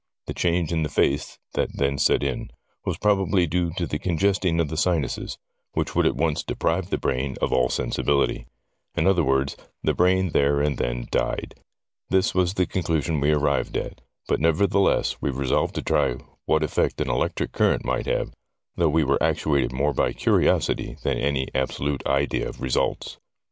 The change in the face that then set in was probably due to the congesting of the sinuses, which would at once deprive the brain of all sensibility. In other words, the brain there and then died. This was the conclusion we arrived at, but nevertheless we resolved to try what effect an electric current might have, though we were actuated more by curiosity than any absolute idea of results.